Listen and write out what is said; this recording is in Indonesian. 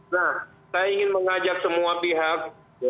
nah saya ingin mengajak semua pihak